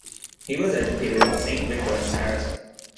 He was educated at Saint-Victor, in Paris.